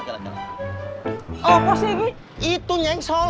itu tenyeng sol